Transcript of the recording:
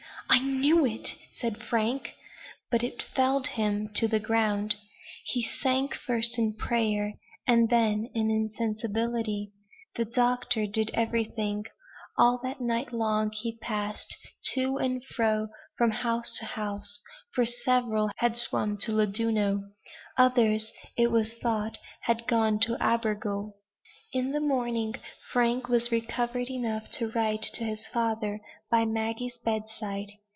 "I knew it," said Frank. But it felled him to the ground. He sank first in prayer, and then in insensibility. The doctor did everything. All that night long he passed to and fro from house to house; for several had swum to Llandudno. Others, it was thought, had gone to Abergele. In the morning Frank was recovered enough to write to his father, by Maggie's bedside.